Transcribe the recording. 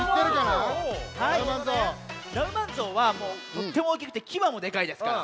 ナウマンゾウはとってもおおきくてきばもでかいですから。